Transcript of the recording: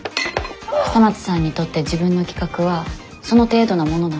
笠松さんにとって自分の企画はその程度なものなの？